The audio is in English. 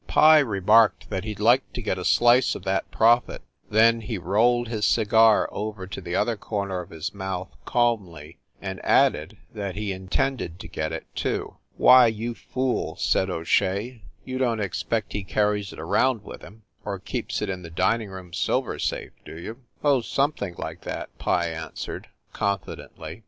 Pye remarked that he d like to get a slice of that profit; then he rolled his cigar over to the other corner of his mouth calmly and added that he in tended to get it, too. "Why, you fool," said O Shea, "you don t expect he carries it around with him, or keeps it in the dining room silver safe, do you?" "Oh, something like that," Pye answered, confi dently.